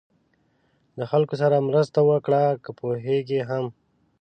د خلکو سره مرسته وکړه که پوهېږئ هم.